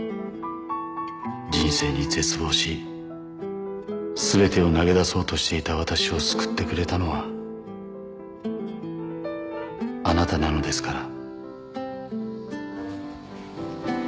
「人生に絶望しすべてを投げ出そうとしていた私を救ってくれたのはあなたなのですから」